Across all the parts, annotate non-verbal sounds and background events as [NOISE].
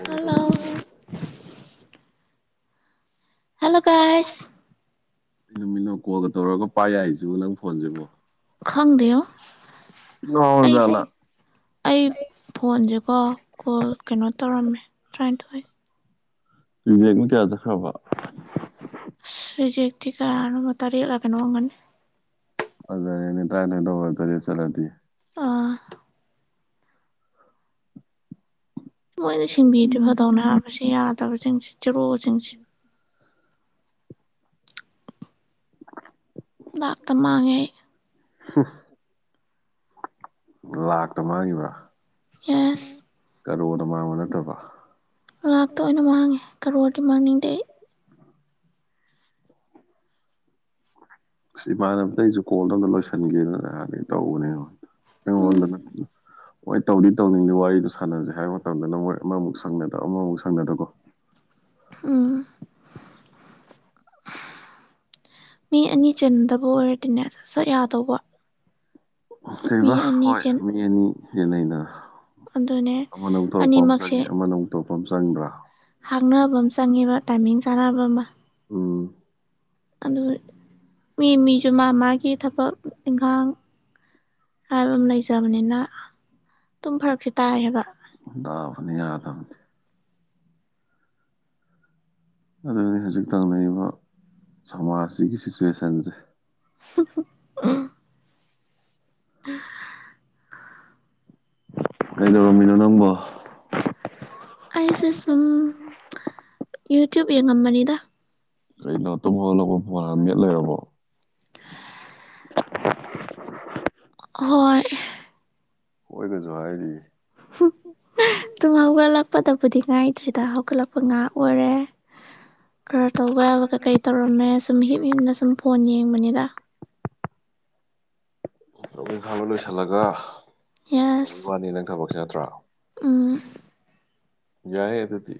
ꯑꯗꯨ hello hello ꯀꯁ ꯅꯨꯃꯤꯠꯅꯨ ꯀꯣꯜꯒ ꯇꯧꯔꯒ ꯄꯥꯏ ꯌꯥꯏꯁꯤꯕ ꯅꯪ ꯐꯣꯟꯁꯤꯕꯣ ꯈꯪꯗꯣ ꯑꯩ ꯉꯥꯎꯔꯖꯥꯠꯂꯥ ꯑꯩ ꯐꯣꯟꯁꯦꯀꯣ ꯀꯣꯜ ꯀꯩꯅꯣ ꯇꯧꯔꯝꯃꯦ ꯇꯔꯥꯅꯤꯊꯣꯏ ꯔꯤꯖꯦꯛꯅꯣ ꯀꯌꯥ ꯆꯠꯈ꯭ꯔꯕ ꯔꯤꯖꯦꯛꯛꯇꯤ ꯀꯅꯕ ꯇꯔꯦꯂꯒꯅꯅꯨꯡ ꯋꯥꯒꯅ ꯍꯖꯔꯅꯦ ꯇꯥꯏ ꯇ ꯇ ꯆꯂꯗꯤ ꯑꯥ ꯃꯣꯏꯅ ꯁꯤꯡꯕꯤꯗ ꯐꯥꯗꯧꯅ ꯍꯥꯏꯞꯕꯁꯤ ꯌꯥꯗꯕꯁꯤꯡꯁꯤ ꯆꯔꯣꯁꯤꯡꯁꯤ ꯂꯥꯛꯇ ꯃꯥꯡꯉꯦ ꯑꯩ ꯂꯥꯛꯇ ꯃꯥꯡꯈꯤꯕ꯭ꯔꯥ ꯑꯦꯁ ꯀꯔꯣ ꯃꯥꯡꯕ ꯅꯠꯇꯕ ꯂꯥꯛꯇ ꯑꯣꯏꯅ ꯃꯥꯡꯉꯦ ꯀꯔꯣꯔꯗꯤ ꯃꯥꯡꯅꯤꯡꯗꯦ ꯑꯩ ꯑꯁ ꯏꯃꯥꯟꯅ ꯑꯝꯇ ꯑꯩꯁꯨ ꯀꯣꯜꯗ ꯑꯝꯇ ꯂꯣꯏꯁꯟꯒꯦꯗꯅꯥꯟꯅꯩ ꯇꯧꯕꯅꯦꯕ ꯎꯝ ꯀꯉꯣꯂ ꯅ ꯍꯣꯏ ꯇꯧꯗꯤ ꯇꯧꯅꯤꯡꯗꯦ ꯋꯥꯔꯤꯗꯣ ꯁꯥꯟꯅꯁꯦ ꯍꯥꯏꯕ ꯃꯇꯝꯗꯅ ꯃꯣꯏ ꯑꯃꯃꯨꯛ ꯁꯪꯅꯗ ꯑꯃꯃꯨꯛ ꯁꯪꯅꯗꯀꯣ ꯎꯝ ꯃꯤ ꯑꯅꯤ ꯆꯟꯅꯗꯕ ꯑꯣꯏꯔꯗꯤꯅꯦ ꯁꯠ ꯌꯥꯗꯧꯕ ꯃꯤ ꯀꯩꯕ ꯑꯅꯤ ꯍꯣꯏ ꯆꯟ ꯃꯤ ꯑꯅꯤ ꯍꯦ ꯂꯩꯗ ꯑꯗꯨꯅꯦ ꯑꯃꯅ ꯑꯃꯨꯛ ꯇꯧꯔꯛꯄ ꯑꯃ ꯆꯪꯉꯦ ꯑꯃꯅ ꯑꯃꯨꯛ ꯇꯧꯔꯛꯄ ꯑꯃ ꯆꯪꯕ꯭ꯔꯥ ꯍꯥꯡꯅꯕ ꯑꯃ ꯆꯪꯉꯦꯕ ꯇꯥꯏꯃꯤꯡ ꯆꯥꯟꯅꯕ ꯑꯃ ꯎꯝ ꯑꯗꯨ ꯃꯤ ꯃꯤꯁꯨ ꯃꯥ ꯃꯥꯒꯤ ꯊꯕꯛ ꯏꯪꯈꯥꯡ ꯍꯥꯏꯕ ꯑꯃ ꯂꯩꯖꯕꯅꯤꯅ ꯑꯗꯨꯝ ꯐꯔꯛꯁꯦ ꯇꯥꯏꯌꯦꯕ ꯗꯥꯐꯅꯤ ꯑꯗꯗꯤ ꯑꯗꯨꯅꯤ ꯍꯧꯖꯤꯛ ꯇꯪꯅꯔꯤꯕ ꯁꯃꯥꯖꯁꯤꯒꯤ ꯁꯤꯆꯨꯋꯦꯁꯟꯁꯦ ꯑ ꯑ ꯑꯩꯗꯣ ꯃꯤꯅꯣ ꯅꯪꯕꯣ ꯑꯩꯁꯦ ꯁꯨꯝ ꯌꯨꯇ꯭ꯌꯨꯕ ꯌꯦꯡꯉꯝꯕꯅꯤꯗ ꯀꯩꯅꯣꯇꯣ ꯐꯥꯎ ꯂꯄ ꯐꯣꯟ ꯃꯦꯠ ꯂꯩꯔꯕꯣ [INAUDIBLE] ꯍꯣꯏ ꯍꯣꯏꯒꯁꯨ ꯍꯥꯏꯔꯤ ꯇꯨꯝ ꯍꯧꯒꯠꯂꯛꯄꯗ ꯕꯨꯗꯤ ꯉꯥꯏꯇ꯭ꯔꯤꯗ ꯍꯧꯒꯠꯂꯛꯄ ꯉꯥ ꯑꯣꯏꯔꯦ ꯈꯔ ꯇꯧꯕ ꯌꯥꯕ ꯀꯔꯤ ꯇꯧꯔꯝꯃꯦ ꯁꯨꯝ ꯍꯤꯞ ꯍꯤꯞꯅ ꯁꯨꯝ ꯐꯣꯟ ꯌꯦꯡꯕꯅꯤꯗ ꯂꯧꯕ ꯏꯪꯈꯥꯂꯣ ꯂꯣꯏꯁꯤꯜꯂꯒ ꯂꯧꯕꯤ ꯋꯥꯅꯤ ꯅꯪ ꯊꯕꯛꯁꯤ ꯅꯠꯇ꯭ꯔꯣ ꯎꯪ ꯌꯥꯏ ꯑꯗꯨꯗꯤ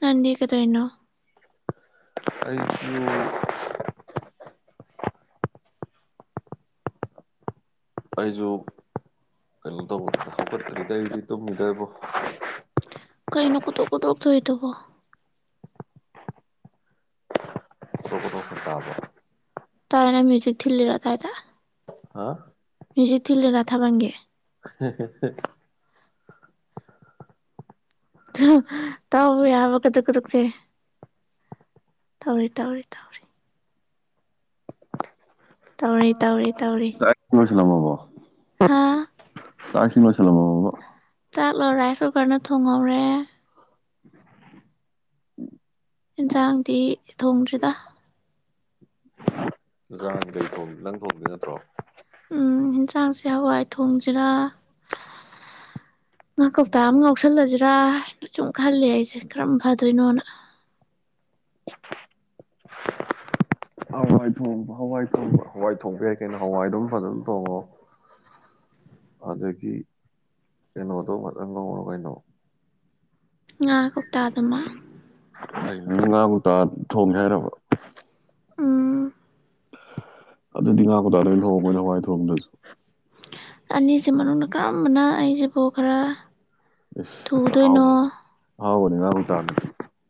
ꯅꯗꯤ ꯀꯗꯩꯅꯣ ꯑꯩꯖꯨ ꯑꯩꯁꯨ ꯀꯩꯅꯣ ꯇꯧꯕ ꯍꯧꯒꯠꯇꯔꯤꯗ ꯑꯩ ꯍꯧꯗꯤꯛ ꯇꯨꯝꯃꯤꯗꯕꯣ ꯋꯥ [UNINTELLIGIBLE] ꯇꯥꯏꯅ ꯃ꯭ꯌꯨꯁꯤꯛ ꯊꯤꯜꯂꯤꯔꯣ ꯑꯗꯌꯥꯏꯗ ꯍꯥ ꯃꯖꯤꯠ ꯊꯤꯂꯤꯔ ꯊꯥꯕꯜꯒꯤ ꯍꯍꯍ ꯇꯥꯎ ꯌꯥꯕ ꯀꯨꯗꯨꯛ ꯀꯨꯗꯨꯛꯁꯦ ꯇꯧꯔꯤ ꯇꯧꯔꯤ ꯇꯧꯔꯤ ꯇꯧꯔꯤ ꯇꯧꯔꯤ ꯇꯧꯔꯤ ꯀꯣꯏꯁꯝꯕꯣ ꯍꯥ ꯆꯥꯏꯁꯤꯡ ꯂꯣꯢꯃꯁꯂꯃꯕ ꯇꯥꯛꯂꯣ ꯔꯥꯏꯁ ꯀꯨꯀꯔꯅ ꯊꯣꯡꯍꯧꯔꯦ ꯏꯟꯁꯥꯡꯗꯤ ꯊꯣꯡꯗ꯭ꯔꯤꯗ ꯏꯟꯖꯥꯡ ꯀꯩ ꯅꯪ ꯊꯣꯡ ꯎ ꯑꯦꯟꯁꯥꯡꯁꯦ ꯍꯋꯥꯏ ꯊꯣꯡꯁꯤꯔꯥ ꯉꯥ ꯀꯧꯇꯥ ꯑꯃ ꯉꯥꯎꯁꯜꯂꯁꯤꯔꯥ ꯁꯨꯝ ꯈꯜꯂ ꯑꯩꯁꯦ ꯀꯔꯝ ꯐꯗꯣꯏꯅꯣꯅ [INAUDIBLE] ꯍꯋꯥꯏ ꯊꯣꯡꯕ ꯍꯋꯥꯏ ꯊꯣꯡꯕ ꯍꯋꯥꯏ ꯊꯣꯡꯕ ꯌꯥꯏ ꯀꯩꯅꯣ ꯍꯋꯥꯏꯗꯨ ꯑꯗꯨꯝ ꯐꯖꯅ ꯊꯣꯡꯉꯣ ꯑꯗꯒꯤ ꯀꯩꯅꯣꯗꯣ ꯇꯪ ꯉꯧꯔꯣ ꯀꯩꯅꯣ ꯉꯥ ꯀꯧꯇꯥ ꯑꯗꯨꯃ ꯉꯥꯕꯨꯇꯥ ꯊꯣꯡꯒꯦ ꯍꯥꯏꯔꯕ ꯎꯝ ꯑꯗꯨꯗꯤ ꯉꯥ ꯀꯧꯇꯥꯑꯣꯢꯅ ꯊꯣꯡꯉꯨ ꯀꯩꯅꯣ ꯍꯋꯥꯏ ꯊꯣꯡꯗ꯭ꯔꯁꯨ ꯑꯅꯤꯁꯤ ꯃꯅꯨꯡꯗ ꯀꯔꯝꯕꯅ ꯑꯩꯁꯤꯕꯨ ꯈꯔ ꯊꯨꯗꯣꯏꯅꯣ ꯍꯥꯎꯕꯅꯤ ꯑꯍꯥꯎꯕꯅꯤ ꯉꯥ ꯀꯧꯇꯥꯅ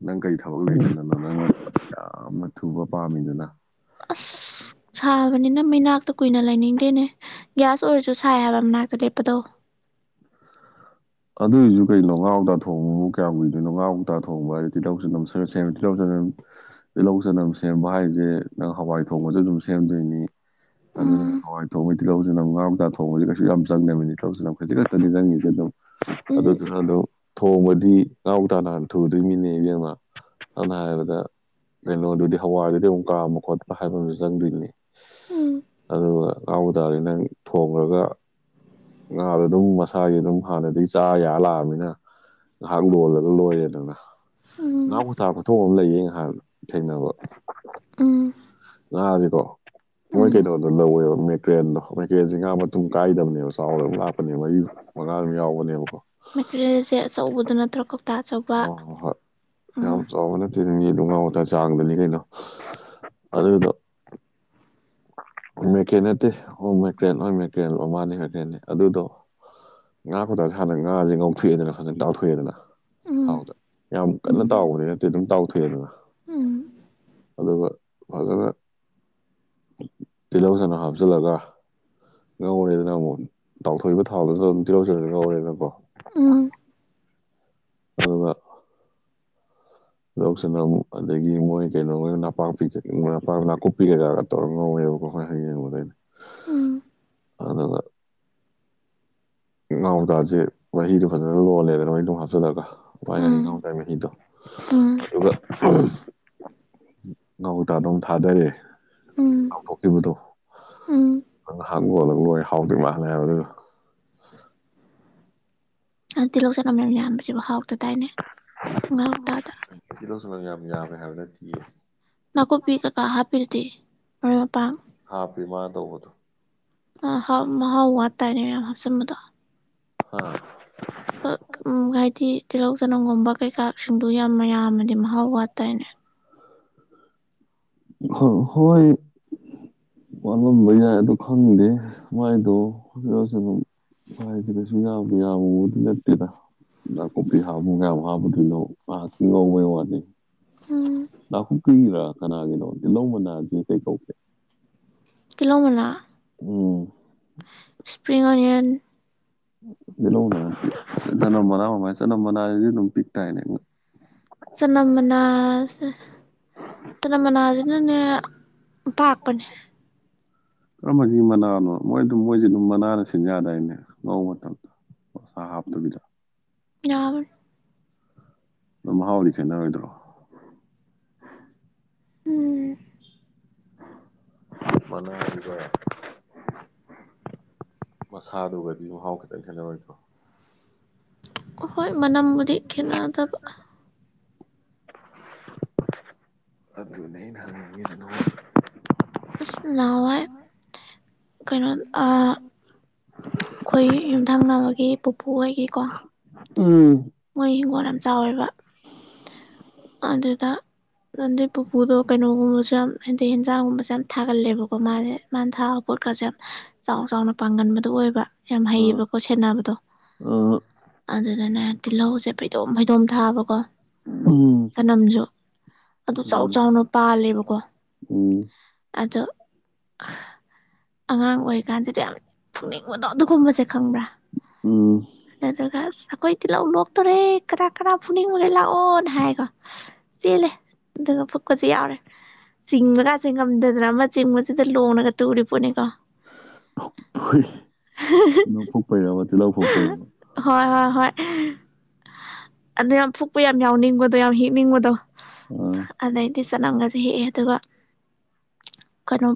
ꯅꯪ ꯀꯔꯤ ꯊꯕꯛ ꯂꯩꯔꯤꯅꯅꯣ ꯅꯪ ꯌꯥꯝꯅ ꯊꯨꯕ ꯄꯥꯝꯃꯤꯗꯨꯅ ꯑꯁ ꯁꯥꯕꯅꯤꯅ ꯃꯩꯅꯥꯛꯇ ꯀꯨꯏꯅ ꯂꯩꯅꯤꯡꯗꯦꯅꯦ ꯒ꯭ꯌꯥꯁ ꯑꯣꯏꯔꯁꯨ ꯁꯥꯏ ꯍꯥꯏꯕ ꯃꯅꯥꯛꯇ ꯂꯦꯞꯄꯗꯣ ꯑꯗꯨꯑꯣꯏꯁꯨ ꯀꯩꯅꯣ ꯉꯥꯎꯇꯥ ꯊꯣꯡꯕꯕꯨ ꯀꯨꯏꯗꯅꯣ ꯉꯥꯎꯇꯥ ꯊꯣꯡꯕ ꯍꯥꯏꯔꯗꯤ ꯇꯤꯜꯍꯧ ꯆ ꯅꯝ ꯁꯦꯝ ꯇꯤꯜꯍꯧ ꯆꯅꯝ ꯁꯦꯝꯕ ꯍꯥꯏꯁꯦ ꯅꯪ ꯍꯋꯥꯏ ꯊꯣꯡꯕꯁꯨ ꯑꯗꯨꯝ ꯁꯦꯝꯗꯣꯏꯅꯤ ꯑꯗꯨꯅ ꯎꯝ ꯍꯋꯥꯏ ꯊꯣꯡꯕꯩ ꯇꯤꯜꯍꯧꯁꯤꯅ ꯉꯥꯡꯇꯥꯥ ꯊꯣꯡꯕꯁꯤꯦ ꯀꯩꯁꯨ ꯌꯥꯝ ꯆꯪꯗꯕꯅꯤ ꯇꯧꯁꯤꯅ ꯈꯖꯤꯛ ꯈꯛꯇꯅꯤ ꯆꯪꯉꯤꯁꯦ ꯑꯗꯨꯝ ꯎꯝ ꯑꯗꯨꯗꯨꯅ ꯑꯗꯨ ꯊꯣꯡꯕꯗꯤ ꯉꯥꯎꯇꯥꯥꯗꯅ ꯊꯨꯗꯣꯏ ꯃꯤꯅꯦꯕꯡꯃ ꯑꯗꯨꯅ ꯍꯥꯢꯕꯗ ꯀꯩꯅꯣꯗꯨꯗꯤ ꯍꯋꯥꯏꯗꯨꯗꯤ ꯑꯃꯨꯛ ꯀꯥꯝꯕ ꯈꯣꯠꯄ ꯍꯥꯏꯕ ꯑꯃꯁꯨ ꯆꯪꯗꯣꯏꯅꯤ ꯎꯝ ꯑꯗꯨꯒ ꯉꯥꯎ ꯇꯥ ꯅꯪ ꯊꯣꯡꯈ꯭ꯔꯒ ꯉꯥꯗꯣ ꯑꯗꯨꯝ ꯃꯁꯥꯒꯤ ꯑꯗꯨꯝ ꯍꯥꯟꯅꯗꯒꯤ ꯆꯥ ꯌꯥ ꯂꯥꯛꯑꯅꯤꯅ ꯉꯥꯏꯍꯥꯛ ꯂꯣꯜꯂꯒ ꯂꯣꯏꯌꯦꯗꯅ ꯎꯝ ꯉꯥ ꯈꯨꯊꯥ ꯈꯨꯊꯣꯡ ꯑꯃ ꯂꯩꯌꯦ ꯉꯍꯥꯟ ꯊꯦꯡꯅꯕ ꯎꯝ ꯑ ꯍꯧꯖꯤꯀꯣ ꯃꯣꯏ ꯎꯝ ꯀꯩꯅꯣꯗꯣ ꯂꯧꯋꯦꯕ ꯃꯦꯀ꯭ꯔꯦꯟꯗꯣ ꯃꯦꯀ꯭ꯔꯦꯟꯁꯦ ꯉꯥ ꯃꯇꯨꯡ ꯀꯥꯏꯗꯕꯅꯦꯕ ꯆꯥꯎꯔꯦꯕ ꯂꯥꯛꯄꯅꯦ ꯃꯔꯤ ꯑꯥ ꯑꯃ ꯌꯥꯎꯕꯅꯦꯕꯀꯣ ꯃꯦꯀꯔꯤꯜꯁꯦ ꯑꯆꯧꯕꯗꯨ ꯅꯠꯇ꯭ꯔꯒ ꯀꯧꯇꯥ ꯑꯆꯧꯕ ꯍꯣꯏ ꯍꯣꯏ ꯑ ꯈꯣꯡꯒꯥꯎ ꯉꯇ ꯆꯥꯡꯗꯅꯤ ꯀꯩꯅꯣ ꯑꯗꯨꯗꯣ ꯃꯦꯀꯦꯅꯤꯠꯇꯤ ꯑꯣꯀꯅꯤ ꯃꯦꯀꯅꯤ ꯃꯥꯅꯤ ꯃꯦꯀꯅꯤꯅꯤ ꯑꯗꯨꯗꯣ ꯉꯥ ꯈꯨꯇꯥꯁꯦ ꯍꯥꯟꯅ ꯉꯥꯁꯦ ꯉꯧꯊꯣꯛꯑꯦꯗꯅ ꯐꯖꯅ ꯇꯥꯎꯊꯣꯛꯑꯦꯗꯅ ꯎꯝ ꯊꯥꯎꯗ ꯌꯥꯝ ꯀꯟꯅ ꯇꯥꯎꯕꯅꯦ ꯅꯠꯇꯦ ꯑꯗꯨꯝ ꯇꯥꯎꯊꯣꯛꯑꯦ ꯑꯗꯨꯅ ꯑ ꯐꯅ ꯇꯤꯜꯍꯧꯁꯅ ꯍꯥꯞꯆꯤꯜꯂꯒ ꯉꯧꯔꯦꯗꯅ ꯑꯃꯨꯛ ꯇꯥꯎꯊꯣꯛꯏꯕ ꯊꯥꯎꯗꯨꯅ ꯑꯗꯨꯝ ꯇꯤꯔꯧꯖꯔꯒ ꯉꯧꯔꯦꯗꯅꯀꯣ ꯎ ꯑꯕ ꯂꯧꯁꯤꯅ ꯑꯗꯒꯤ ꯃꯣꯏ ꯀꯩꯅꯣ ꯃꯣꯏ ꯅꯄꯥꯛꯄꯤꯄꯥꯛ ꯅꯥꯀꯨꯞꯄꯤ ꯀꯩꯀꯥꯒ ꯇꯧꯔꯒ ꯉꯝꯋꯣꯏꯕ ꯍ ꯍꯥꯏꯗꯥꯏꯅꯦ [UNINTELLIGIBLE] ꯉꯥꯎ ꯇꯥꯁꯦ ꯃꯍꯤꯗꯣ ꯐꯖꯅ ꯂꯣꯜꯂꯦꯗꯅ ꯃꯣꯏ ꯑꯗꯨꯝ ꯍꯥꯞꯆꯤꯜꯂꯒ ꯋꯥꯥꯏ ꯉꯤ ꯉꯥꯎ ꯇꯤꯜꯍꯧ ꯇꯥꯏ ꯃꯍꯤꯗꯣ ꯁꯤꯕ ꯉꯧꯇꯥꯗꯧ ꯊꯥꯗꯔꯦ ꯉꯥꯎꯊꯣꯛꯈꯤꯕꯗꯣ ꯉ ꯉꯥꯏꯍꯥꯛ ꯂꯣꯜꯂ ꯂꯣꯏ ꯍꯥꯎꯗꯣꯏ ꯃꯥꯜꯂꯦ ꯍꯥꯏꯕꯗꯨ ꯇꯤꯜꯍꯧ ꯆꯠꯅꯝ ꯃꯌꯥꯝ ꯌꯥꯟꯕꯁꯤꯕꯨ ꯍꯥꯎꯇꯗꯥꯏꯅꯦ ꯉꯥꯎꯇꯥꯗ ꯄꯥ ꯍꯥꯏꯕꯗ ꯊꯦ ꯅꯥꯀꯨꯞ ꯄꯤ ꯀꯀꯥ ꯍꯥꯄꯤꯔꯗꯤ ꯃ ꯃꯄꯥꯡ ꯍꯥꯞꯄꯦ ꯃꯥꯅ ꯇꯧꯕꯗꯣ ꯑ ꯃꯍꯥꯎ ꯋꯥꯇꯥꯥꯏꯅꯦ ꯃꯌꯥꯝ ꯍꯥꯞꯆꯤꯟꯕꯗꯣ ꯍ ꯍꯥꯏꯗꯤ ꯇꯤꯜꯍꯧ ꯆꯅꯝꯒꯨꯝꯕ ꯀꯩꯀꯥꯁꯤꯡꯗꯨ ꯌꯥꯝꯅ ꯌꯥꯝꯅꯗꯤ ꯃꯍꯥꯎ ꯋꯥꯠ ꯇꯥꯏꯅꯦ ꯍ ꯍꯣꯏ ꯋꯥꯠꯂꯝꯕ ꯌꯥꯏ ꯑꯗꯨ ꯈꯪꯗꯦ ꯃꯥꯏꯗꯣ ꯍꯧꯔꯁꯨ ꯑꯗꯨꯝ ꯍꯥꯏꯁꯦ ꯀꯩꯁꯨ ꯌꯥꯝꯕ ꯌꯥꯝꯕꯨꯗꯤ ꯅꯠꯇꯦꯗ ꯀꯣꯄꯤ ꯍꯥꯨꯡꯒ ꯌꯥꯝ ꯍꯥꯕꯗꯤꯅꯣ ꯑ ꯉꯕ ꯋꯥꯅꯤ ꯂꯥꯛꯍꯨꯞ ꯀꯔꯤꯔꯥ ꯀꯅꯥꯒꯤꯅꯣ ꯇꯤꯜꯍꯧ ꯃꯅꯥꯁꯤ ꯀꯩ ꯀꯧꯒꯦ ꯀꯤꯂꯣꯃꯤꯅꯥ ꯎ ꯏꯁꯄ꯭ꯔꯤꯡ ꯑꯣꯅꯤꯌꯟ ꯃꯅꯥꯏꯁ ꯅ ꯃꯅ ꯑꯗꯨ ꯅ ꯄꯤꯛ ꯇꯥꯏꯅꯦ ꯁꯅꯝ ꯃꯦ ꯁꯅꯝ ꯃꯁꯤꯅꯅꯦ ꯄꯥꯀꯅ ꯀꯔꯝꯕꯒꯤ ꯃꯅꯥꯅꯣ ꯃꯣꯏ ꯑꯗꯨꯝ ꯃꯣꯏꯁꯦ ꯑꯗꯨꯝ ꯃꯅꯥꯅ ꯁꯦꯟꯖꯥꯗꯏꯅꯦ ꯉꯧꯕ ꯃꯇꯝꯗ ꯑꯁꯗ ꯂꯥ ꯌꯥꯕ ꯃꯍꯥ ꯑꯣꯏꯂꯤ ꯀꯦꯟꯅ ꯑꯣꯏꯣꯏꯗ꯭ꯔꯣ ꯎꯝ ꯃꯅꯦ ꯍꯥꯏ ꯀ ꯃꯁꯥꯗꯨꯒꯗꯤ ꯃꯍꯥꯎ ꯈꯤꯇꯪ ꯈꯦꯠꯅꯔꯣꯏꯗ꯭ꯔꯣ ꯍꯣꯏ ꯅꯥꯝꯒꯗꯤ ꯀꯅꯗ ꯑꯗꯨꯅꯦ ꯑꯩꯅ ꯍꯪꯅꯤꯡꯉꯤꯁꯤꯅ ꯁ ꯋꯥꯥꯏ ꯀꯩꯅꯣ ꯑꯩꯈꯣꯏ ꯌꯨꯝꯊꯪꯅꯕꯒꯤ ꯄꯨꯄꯨ ꯍꯣꯏꯒꯤꯀꯣ ꯎꯝ ꯃꯣꯏ ꯍꯤꯡꯒꯣꯜ ꯌꯥꯝ ꯆꯥꯎꯋꯦꯕ ꯑꯗꯨꯗ ꯑꯗꯨꯗꯩ ꯄꯨꯄꯨꯗꯣ ꯀꯩꯅꯣꯒꯨꯝꯕꯁꯨ ꯌꯥꯝ ꯍꯥꯏꯗꯤ ꯍꯦꯟꯖꯥꯡꯒꯨꯝꯕꯁꯨ ꯌꯥꯝ ꯊꯥꯒꯠꯂꯦꯕꯀꯣ ꯃꯥꯁꯦ ꯃꯥꯅ ꯊꯥꯑꯠ ꯄꯣꯠꯀꯁꯦ ꯌꯥꯝ ꯆꯥꯎ ꯆꯥꯎꯅ ꯄꯥꯡꯒꯟꯕꯗꯨꯣ ꯑꯣꯏꯕ ꯌꯥꯝ ꯑ ꯑ ꯍꯩꯌꯦꯕꯀꯣ ꯁꯦꯟꯅꯕꯗꯣ ꯑꯗꯨꯗꯅ ꯇꯤꯜꯍꯧꯁꯦ ꯐꯩꯗꯣꯛꯝꯩ ꯗꯣꯝ ꯊꯥꯕꯀꯣ ꯎꯝ ꯆꯅꯝꯁꯨ ꯑꯗꯨ ꯆꯥꯎ ꯎꯝ ꯆꯥꯎꯅ ꯄꯥꯜꯂꯦꯕꯀꯣ ꯎꯝ ꯑꯗꯣ ꯑꯉꯥꯡ ꯑꯣꯏꯔꯤꯀꯥꯟꯁꯤꯗꯤ ꯌꯥꯝ ꯄꯨꯛꯅꯤꯡꯕꯗꯣ ꯑꯗꯨꯒꯨꯝꯕꯁꯦ ꯈꯪꯕ꯭ꯔꯥ ꯎꯝ ꯑꯗꯨꯗꯨꯒ ꯑꯁ ꯑꯩꯈꯣꯏ ꯇꯤꯜꯍꯧ ꯂꯣꯛꯇꯣꯔꯦ ꯀꯅꯥ ꯀꯅꯥ ꯐꯨꯅꯤꯡ ꯃꯈꯒꯩ ꯂꯥꯛꯑꯣ ꯍꯥꯏꯀꯣ ꯆꯦꯜꯂꯦ ꯑꯗꯨꯒ ꯐꯨꯛꯄꯁꯨ ꯌꯥꯎꯔꯦ ꯆꯤꯡꯕꯒꯥꯁꯦ ꯉꯝꯗꯗꯅ ꯑꯃ ꯆꯤꯡꯕꯁꯤꯗ ꯂꯣꯡꯉꯒ ꯇꯨꯔꯤ ꯄꯣꯠꯅꯤꯀꯣ ꯇꯤꯧ ꯐꯣꯛꯄꯩꯔꯃꯣ ꯇꯤꯜꯍꯧ ꯄꯣꯛꯄꯩꯔꯃ ꯍꯣꯏ ꯍꯣꯏ ꯍꯣꯏ ꯑꯗꯨ ꯌꯥꯝ ꯐꯨꯛꯄ ꯌꯥꯝ ꯌꯥꯎꯅꯤꯡꯕꯗꯣ ꯌꯥꯝ ꯍꯤꯛꯅꯤꯡꯕꯗꯣ ꯑꯥ ꯑꯗꯩꯗꯤ ꯆꯠꯅꯝꯒꯁꯦ ꯍꯦꯛꯑꯦ ꯑꯗꯨꯒ ꯀꯩꯅꯣ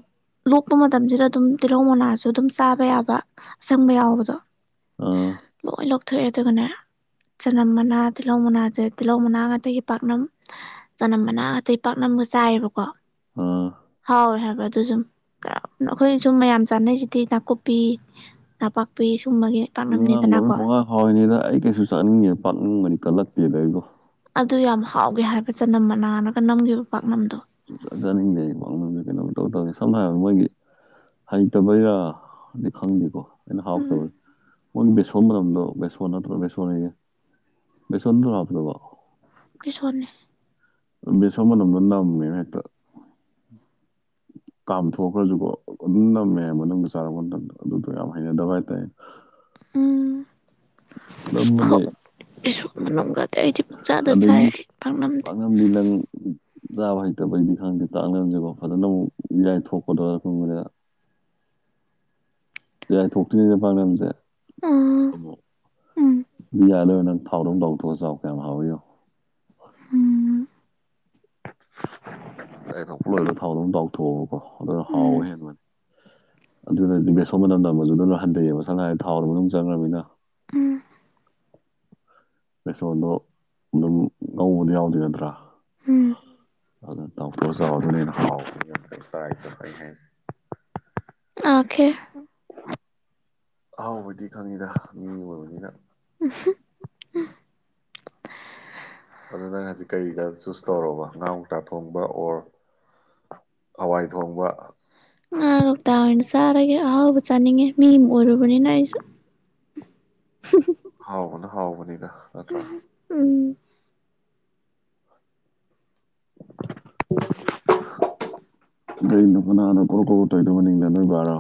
ꯂꯣꯛꯄ ꯃꯇꯝꯁꯤꯗ ꯑꯗꯨꯝ ꯇꯤꯜꯍꯧ ꯃꯅꯥꯁꯨ ꯑꯗꯨꯝ ꯆꯥꯕ ꯌꯥꯕ ꯑꯁꯪꯕ ꯌꯥꯎꯕꯗꯣ ꯑꯥ ꯊꯣꯛꯑꯦ ꯑꯗꯨꯒꯅꯦ ꯆꯅꯝ ꯃꯅꯥ ꯇꯤꯜꯍꯧ ꯃꯅꯥꯁꯦ ꯇꯤꯜꯍꯧ ꯃꯅꯥꯒ ꯑꯇꯩꯒꯤ ꯄꯥꯛꯅꯝ ꯆꯅꯝ ꯃꯅꯥ ꯑꯇꯩ ꯄꯥꯛꯅꯝꯒ ꯆꯥꯏꯌꯦꯕꯀꯣ ꯑꯥ ꯍꯥꯎ ꯍꯕ ꯑꯗꯨ ꯁꯨꯝ ꯑꯩꯈꯣꯏ ꯁꯨꯝ ꯃꯌꯥꯝ ꯆꯥꯅꯩꯁꯤꯗꯤ ꯅꯥꯀꯨꯞꯄꯤ ꯅꯥꯄꯥꯛꯄꯤ ꯁꯨꯝꯕꯒꯤ ꯑꯉꯥꯡꯕꯣꯏ ꯄꯥꯛꯅꯝꯅꯤꯗꯅꯀꯣ ꯄꯨꯡꯉꯥ ꯍꯥꯎꯔꯤꯅꯤꯗ ꯑꯩ ꯀꯩꯁꯨ ꯆꯥꯛꯅꯤꯡꯉꯦ ꯄꯥꯛꯅꯤꯡꯕꯅꯤ ꯀꯜꯂꯛꯇꯦꯗ ꯑꯩꯕꯣ ꯑꯗꯨ ꯌꯥꯝ ꯍꯥꯎꯒꯦ ꯍꯥꯏꯕ ꯆꯅꯝ ꯃꯅꯥꯔꯒ ꯅꯝꯈꯤꯕ ꯄꯥꯛꯅꯝꯗꯣ ꯆꯥ ꯆꯥꯅꯤꯡꯗꯦꯗ ꯀꯩꯅꯣꯝ ꯇꯧ ꯇꯧꯦ ꯁꯝꯅ ꯍꯥꯏꯔꯕꯗ ꯃꯣꯏꯒꯤ ꯍꯩꯇꯕꯩꯔꯥ ꯍꯥꯏꯗꯤ ꯈꯪꯗꯦꯀꯣ ꯑꯩꯅ ꯍꯥꯎꯇꯕ ꯎꯝ ꯃꯣꯏ ꯕꯦꯁꯣꯟ ꯃꯇꯝꯗꯣ ꯕꯦꯁꯣꯟ ꯅꯠꯇ꯭ꯔꯣ ꯕꯦꯁꯣꯟꯌꯦ ꯕꯦꯁꯣꯟꯗ ꯍꯥꯞꯄꯇꯕ ꯐ ꯁꯣꯟꯅꯤ ꯃꯤꯁꯃꯅꯝꯗꯅ ꯅꯝꯃꯦ ꯍꯛꯇ [INAUDIBLE] ꯀꯥꯝꯊꯣꯛꯈ꯭ꯔꯁꯨꯀꯣ ꯑꯗꯨꯝ ꯅꯝꯃꯦ ꯃꯅꯨꯡꯗ ꯆꯥꯔꯛꯄ ꯃꯇꯝꯗ ꯑꯗꯨꯗꯣ ꯌꯥꯝ ꯍꯩꯅꯗꯕ ꯍꯥꯏꯇꯥꯔꯦ ꯎꯝ ꯅꯃꯅꯦ ꯃꯪꯒꯠ ꯑꯗꯒꯤ ꯄꯥꯛꯅꯝ ꯂꯤ ꯂꯪ ꯆꯥꯕ ꯍꯩꯇꯕꯩꯗꯤ ꯈꯪꯗꯦ ꯇꯥꯛꯅꯔꯁꯦꯀꯣ ꯐꯖꯅ ꯑꯃꯨꯛ ꯏꯔꯏꯊꯣꯛꯀꯗꯧꯔꯥ ꯈꯪꯕꯗ [INAUDIBLE] ꯌꯥꯦꯏ ꯊꯣꯛꯣꯛꯇꯉꯁ ꯐꯥꯡꯅꯝꯁꯦ ꯑ ꯎꯝ ꯑꯗꯨ ꯌꯥꯏꯂꯣꯏ ꯅꯪ ꯊꯥꯎ ꯂꯝ ꯂꯥꯎꯊꯣꯛꯑꯒ ꯆꯥꯎ ꯀꯌꯥꯝ ꯍꯥꯎꯋꯌꯣ ꯎꯝ ꯂꯊꯣꯛꯄ ꯂꯣꯏꯂ ꯊꯥꯎꯗ ꯑꯗꯨꯝ ꯄꯥꯎꯊꯣꯛꯑꯕꯀꯣ ꯑꯗꯨꯅ ꯎꯝ ꯍꯥꯎꯕ ꯍꯦꯟꯕꯅꯦ ꯑꯗꯨꯅꯗꯤꯕꯦꯠꯁꯣꯕ ꯃꯇꯝꯗ ꯃꯗꯨꯨꯗ ꯂꯣꯏ ꯍꯟꯊꯩꯑꯕ ꯁꯉꯥꯏ ꯊꯥꯎꯔꯕ ꯃꯅꯨꯡ ꯆꯪꯈ꯭ꯔꯅꯤꯅ ꯎꯝ ꯑꯩꯁꯣꯟꯗꯣ ꯑꯗꯨꯝ ꯉꯧꯕꯗꯤ ꯌꯥꯎꯗꯣꯏ ꯅꯠꯇ꯭ꯔꯥ ꯎꯝ ꯑꯗꯨ ꯇ ꯀꯁꯨꯅ ꯍꯥꯎꯦ ꯑꯈꯦ ꯑꯍꯥꯎꯕꯗꯤ ꯈꯪꯉꯤꯗ ꯃꯤ ꯑꯣꯏꯕꯅꯤꯅ ꯎ ꯑꯗꯨ ꯅꯪ ꯍꯧꯖꯤꯛ ꯀꯔꯤꯗ ꯆꯨꯁ ꯇꯧꯔꯕ ꯉꯥꯇꯥ ꯊꯣꯡꯕ ꯑꯣꯔ ꯍꯋꯥꯏ ꯊꯣꯡꯕ ꯉꯥ ꯉꯧꯇ ꯑꯣꯏꯅ ꯆꯥꯔꯒꯦ ꯑꯍꯥꯎꯕ ꯆꯥꯅꯤꯡꯉꯦ ꯃꯤ ꯑꯃ ꯑꯣꯏꯔꯨꯕꯅꯤꯅ ꯑꯩꯁꯨ ꯍꯥꯎꯕꯅ ꯍꯥꯎꯕꯅꯤꯅ ꯎꯝ ꯀꯩꯅ ꯍꯅꯔ ꯀꯣꯀꯣꯇꯣꯏꯗ ꯃꯅꯤꯡꯗ ꯅꯣꯏ ꯕꯥꯔꯣ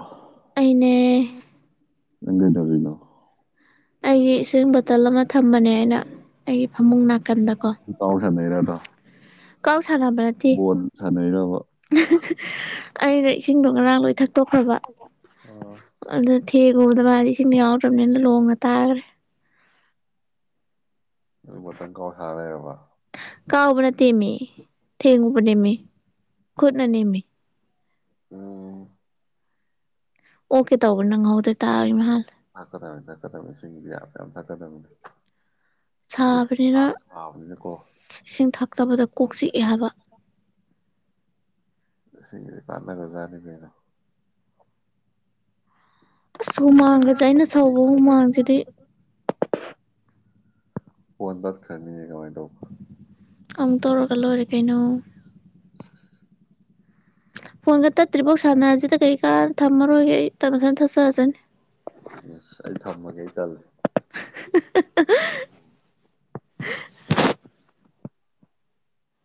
ꯑꯩꯅꯦ ꯉꯪ ꯇꯕꯤꯗꯣ ꯑꯩꯒꯤ ꯏꯁꯤꯡ ꯕꯣꯇꯜ ꯑꯃ ꯊꯝꯕꯅꯦ ꯑꯩꯅ ꯑꯩꯒꯤ ꯐꯃꯨꯡ ꯅꯥꯀꯟꯗꯀꯣ ꯅꯤꯔꯗꯥ ꯁꯂꯕ꯭ꯔꯠꯇ ꯑꯩꯅ ꯏꯁꯤꯡꯗꯣ ꯉꯔꯥꯡ ꯂꯣꯏ ꯊꯛꯇꯣꯛꯈ꯭ꯔꯕ ꯑꯣ ꯑꯗꯨꯗ ꯊꯦꯡ ꯌꯨꯕꯗ ꯋꯥꯔꯤꯔꯤꯁꯤꯡꯗ ꯌꯥꯎꯗ꯭ꯔꯕꯅꯤꯅ ꯂꯣꯡꯉ ꯇꯥꯈ꯭ꯔꯦ ꯏꯒ ꯇꯪꯒꯣ ꯍꯥꯏꯗꯔꯔꯕ ꯀꯥꯎꯕꯅ ꯇꯦꯝꯃꯤ ꯊꯦꯡꯉꯨꯕ ꯅꯦꯝꯃꯤ ꯈꯨꯠꯅ ꯅꯦꯝꯃꯤ ꯎꯝ ꯑꯣꯀꯦ ꯇꯧꯕ ꯅꯪꯍꯧꯗꯦ ꯇꯥꯔꯤꯃꯜ ꯊꯕꯅꯤꯁ ꯌꯥꯝ ꯊꯛꯀꯗꯕꯅꯤ ꯍꯧꯖꯤꯛ ꯁꯥꯕꯅꯤꯅ ꯁꯥꯁꯨ ꯁꯥꯕꯅꯤꯅꯀꯣ ꯏꯁꯤꯡ ꯊꯛꯇꯕꯗ ꯀꯣꯛ ꯆꯤꯛꯑꯦ ꯍꯥꯏꯕ [UNINTELLIGIBLE] [INAUDIBLE] ꯁꯤꯒꯤꯗꯤ ꯄꯥꯅꯔꯖꯥꯅꯤ ꯀꯩꯅꯣ ꯑꯁ ꯍꯨꯃꯥꯡꯒꯁꯦ ꯑꯩꯅ ꯁꯧꯕ ꯍꯨꯃꯥꯡꯁꯤꯗꯤ ꯑꯣ ꯑꯟꯗꯖ ꯈꯔꯅꯤ ꯍꯥꯏ ꯀꯃꯥꯏꯗ ꯑꯃꯨ ꯇꯧꯔꯒ ꯂꯣꯏꯔ ꯀꯩꯅꯣ ꯐꯣꯟꯒ ꯇꯠꯇ꯭ꯔꯤꯐꯥꯎ ꯁꯥꯟꯅꯔꯁꯤꯗ ꯀꯩꯀꯥ ꯊꯝꯃꯔꯣꯏꯒꯦ ꯑꯩ ꯇꯞꯅꯊꯅ ꯊꯛꯆꯔꯁꯅꯤ ꯑ ꯑꯩ ꯊꯝꯃꯒꯦ ꯑꯩ ꯀꯜꯂꯦ [UNINTELLIGIBLE] [INAUDIBLE] ꯎꯝ